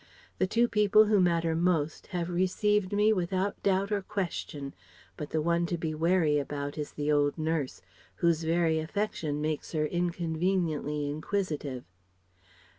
The two people who matter most have received me without doubt or question, but the one to be wary about is the old nurse, whose very affection makes her inconveniently inquisitive.